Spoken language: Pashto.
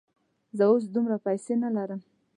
زه اوس دومره پیسې نه لرم.